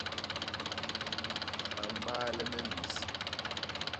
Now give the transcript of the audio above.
A mbaale me mis.